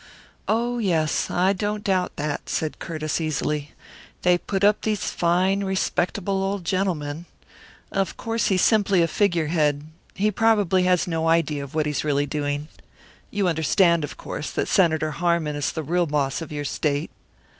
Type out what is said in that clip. "Oh, yes, I don't doubt that," said Curtiss, easily. "They put up these fine, respectable old gentlemen. Of course, he's simply a figure head he probably has no idea of what he's really doing. You understand, of course, that Senator Harmon is the real boss of your State."